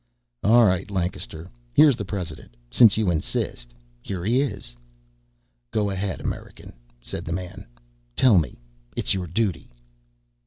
"All right, Lancaster, here's the President. Since you insist, here he is." "Go ahead, American," said the man. "Tell me. It's your duty."